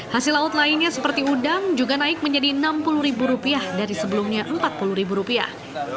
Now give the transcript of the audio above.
hasil laut lainnya seperti udang juga naik menjadi enam puluh ribu rupiah dari sebelumnya empat puluh ribu rupiah